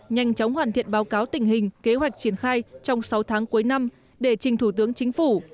nhanh chóng hoàn thiện báo cáo tình hình kế hoạch triển khai trong sáu tháng cuối năm để trình thủ tướng chính phủ